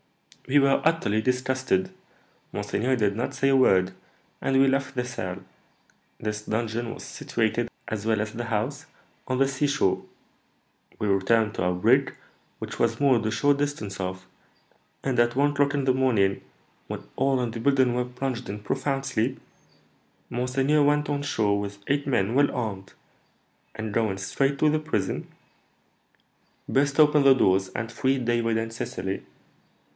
"We were utterly disgusted. Monseigneur did not say a word, and we left the cell. This dungeon was situated, as well as the house, on the seashore. We returned to our brig, which was moored a short distance off, and at one o'clock in the morning, when all in the building were plunged in profound sleep, monseigneur went on shore with eight men well armed, and, going straight to the prison, burst open the doors, and freed David and Cecily.